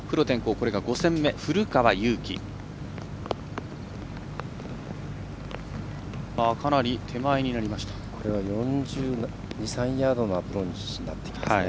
これは４２４３ヤードのアプローチになってきますね。